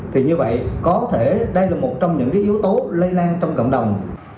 thì như vậy có thể đây là một trong những yếu tố lây lan trong cộng đồng